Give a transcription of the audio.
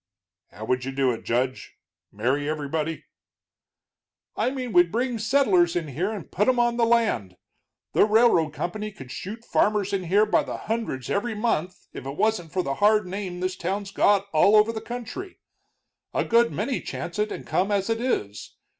"How would you do it, Judge? marry everybody?" "I mean we'd bring settlers in here and put 'em on the land. The railroad company could shoot farmers in here by the hundreds every month if it wasn't for the hard name this town's got all over the country. A good many chance it and come as it is.